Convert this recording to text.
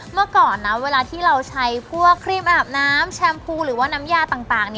เมื่อก่อนนะเวลาที่เราใช้พวกครีมอาบน้ำแชมพูหรือว่าน้ำยาต่าง